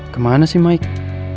kemana sih mike